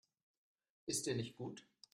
Ist dir nicht gut?